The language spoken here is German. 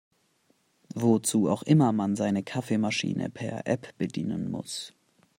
Wozu auch immer man seine Kaffeemaschine per App bedienen muss.